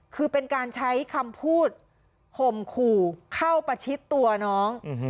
คือเป็นการใช้คำพูดข่มขู่เข้าประชิดตัวน้อง